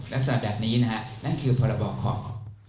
ลักษณะแบบนี้นะครับนั่นคือพอระบบของ